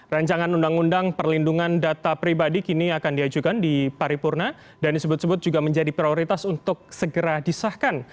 rancangan undang undang perlindungan data pribadi kini akan diajukan di paripurna dan disebut sebut juga menjadi prioritas untuk segera disahkan